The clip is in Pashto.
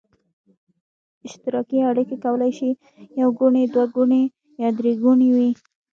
اشتراکي اړیکې کولای شي یو ګوني، دوه ګوني یا درې ګوني وي.